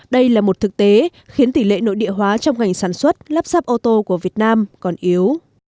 đây là một thực tế khiến tỷ lệ nội địa hóa trong ngành sản xuất lắp ráp ô tô của việt nam còn yếu